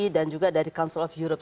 dan juga dari council of europe